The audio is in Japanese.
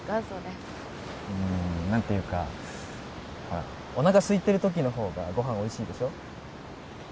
それうん何ていうかおなかすいてる時の方がご飯おいしいでしょ